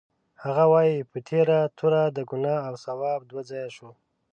هغه وایي: په تېره توره د ګناه او ثواب دوه ځایه شو.